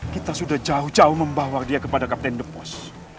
kita sudah jauh jauh membawa dia kepada kapten depos